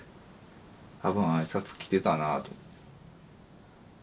多分挨拶来てたなと。